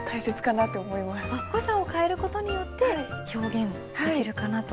濃さを変える事によって表現できるかなと？